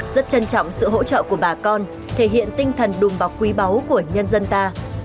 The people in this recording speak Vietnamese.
rất trân trọng sự hỗ trợ của bà con thể hiện tinh thần đùm bọc quý báu của nhân dân ta